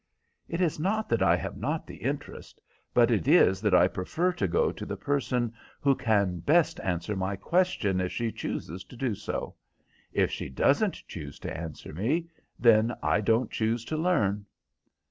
"It is not that I have not the interest, but it is that I prefer to go to the person who can best answer my question if she chooses to do so. If she doesn't choose to answer me, then I don't choose to learn."